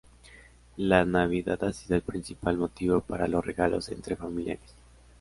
La Navidad ha sido el principal motivo para los regalos entre familiares.